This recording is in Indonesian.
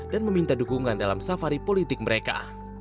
dan meminta dukungan dalam safari politik mereka